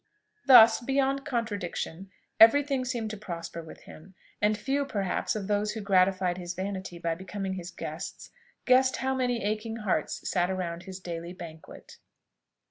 Thus, beyond contradiction, every thing seemed to prosper with him; and few perhaps of those who gratified his vanity by becoming his guests, guessed how many aching hearts sat around his daily banquet.